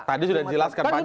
tadi sudah dijelaskan panjang